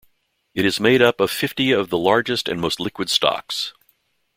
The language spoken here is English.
It is made up of fifty of the largest and most liquid stocks.